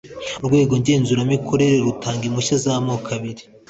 urwego ngenzuramikorere rutanga impushya z’ amoko abiri: